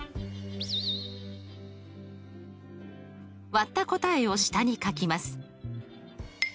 割った答えを下に書きます。